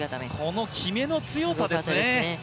この決めの強さですよね。